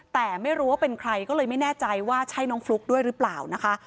แต่ไม่รู้ว่าเป็นใครก็เลยไม่แน่ใจว่าใช่น้องฟลุ๊กด้วยหรือเปล่านะคะ